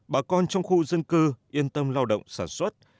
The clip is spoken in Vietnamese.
bà con trong khu dân cư yên tâm lao động sản xuất